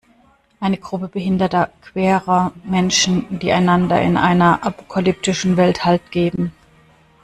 Eine Gruppe behinderter, queerer Menschen, die einander in einer apokalyptischen Welt Halt geben.